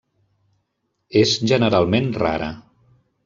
És generalment rara.